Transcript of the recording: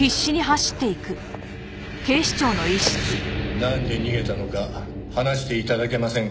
なんで逃げたのか話して頂けませんか？